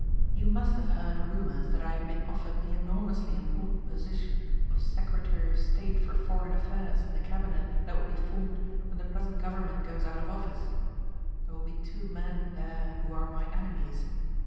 You must have heard rumors that I have been offered the enormously important position of Secretary of State for Foreign Affairs in the cabinet that will be formed when the present government goes out of office. There will be two men there who are my enemies.